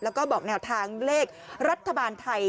แล้วก็บอกแนวทางเลขรัฐบาลไทย